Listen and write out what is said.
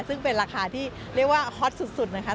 ซึ่งเป็นราคาที่เรียกว่าฮอตสุดนะคะ